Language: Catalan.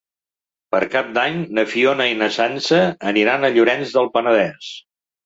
Per Cap d'Any na Fiona i na Sança aniran a Llorenç del Penedès.